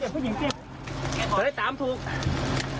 หรือเปลี่ยนทุกคน